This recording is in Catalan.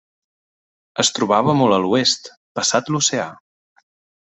Es trobava molt a l'oest, passat l'oceà.